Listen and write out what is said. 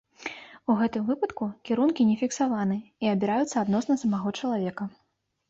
У гэтым выпадку кірункі не фіксаваны і абіраюцца адносна самога чалавека.